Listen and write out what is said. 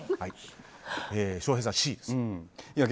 翔平さん、Ｃですか。